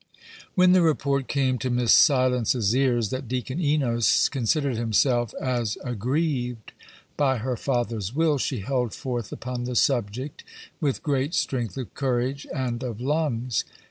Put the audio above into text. When the report came to Miss Silence's ears that Deacon Enos considered himself as aggrieved by her father's will, she held forth upon the subject with great strength of courage and of lungs.